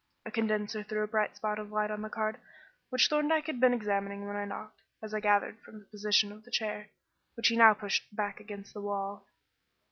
A condenser threw a bright spot of light on the card, which Thorndyke had been examining when I knocked, as I gathered from the position of the chair, which he now pushed back against the wall.